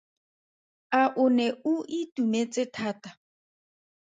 A o ne o itumetse thata?